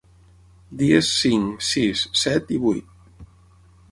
Dies cinc, sis, set i vuit.